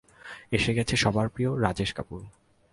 এসে গেছে সবার প্রিয়, রাজেশ কাপুর।